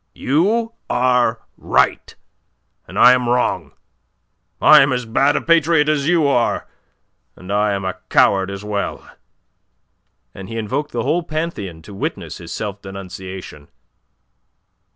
"You are right, and I am wrong. I am as bad a patriot as you are, and I am a coward as well." And he invoked the whole Pantheon to witness his self denunciation.